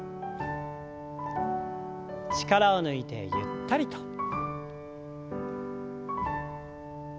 力を抜いてゆったりと。